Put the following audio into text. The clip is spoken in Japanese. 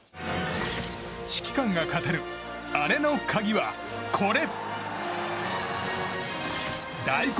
指揮官が語るアレの鍵は、これ！